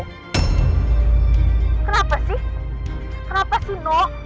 kenapa sih kenapa sih nok